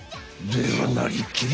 では「なりきり！